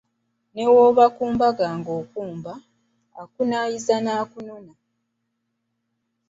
"Ne bw’oba ku mbaga nga mukumba , akunaayiza n'akunona."